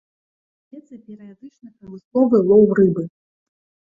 Вядзецца перыядычны прамысловы лоў рыбы.